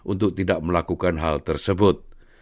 untuk tidak melakukan hal tersebut